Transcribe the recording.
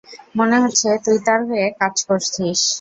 মনে হচ্ছে তুই তার হয়ে কাজ করছিস!